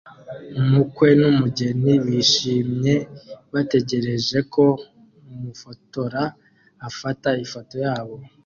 Umukwe n'umugeni bishimye bategereje ko umufotora afata ifoto yabo